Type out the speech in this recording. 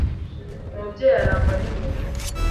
Umubyeyi arangwa nimpuhwe